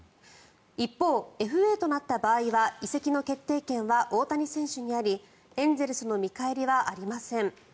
一方、ＦＡとなった場合は移籍の決定権は大谷選手にありエンゼルスの見返りはありません。